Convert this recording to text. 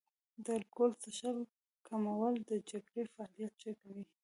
د الکول څښل کمول د جګر فعالیت ښه کوي.